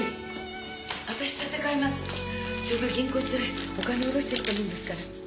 ちょうど銀行へ行ってお金を下ろしてきたもんですから。